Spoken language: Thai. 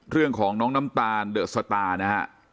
เรื่องของน้องน้ำตาลเดอะสตาร์นะฮะ